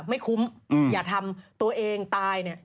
ไม่คุ้มอย่าทำตัวเองตายเนี่ย